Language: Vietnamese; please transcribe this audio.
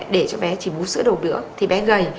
để cho bé bú sữa đầu bữa thì bé gầy